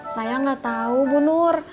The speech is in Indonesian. saya gak tau bunur